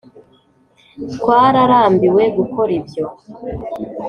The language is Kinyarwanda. Twararambiwe gukora ibyo